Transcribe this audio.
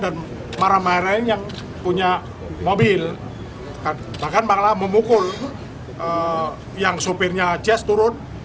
dan para maharain yang punya mobil bahkan memukul yang sopirnya jazz turun